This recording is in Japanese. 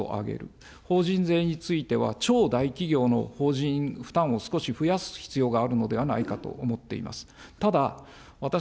特に所得税は最高税率を上げる、法人税については、超大企業の法人負担を少し増やす必要があるのではないかと思っています。